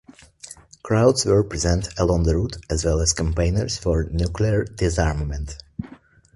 Crowds were present along the route as well as campaigners for nuclear disarmament.